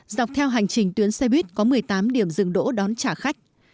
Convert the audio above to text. dọc theo hành trình tuyến xe buýt có một mươi tám điểm dừng đỗ đón trả khách